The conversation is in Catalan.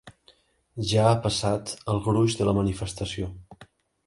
Ja ha passat el gruix de la manifestació.